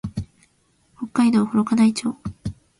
北海道幌加内町